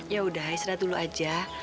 ya udah istirahat dulu aja